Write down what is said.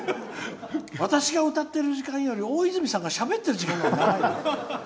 私が歌ってる時間より大泉さんがしゃべってる時間が長い。